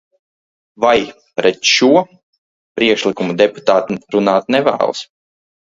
"Vai "pret" šo priekšlikumu deputāti runāt nevēlas?"